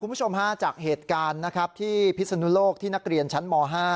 คุณผู้ชมฮะจากเหตุการณ์นะครับที่พิศนุโลกที่นักเรียนชั้นม๕